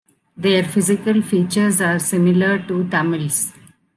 Their physical features are similar to Tamils.